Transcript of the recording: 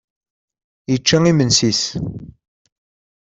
Yečča imensi-is.